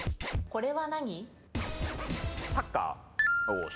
これは何？